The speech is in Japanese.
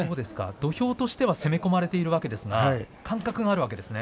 土俵としては攻め込まれていますが間隔があるんですね。